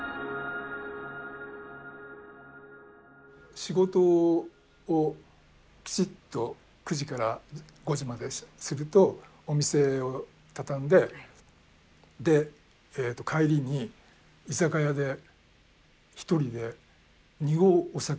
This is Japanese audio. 仕事をきちっと９時から５時までするとお店を畳んで帰りに居酒屋で一人で２合お酒を飲む。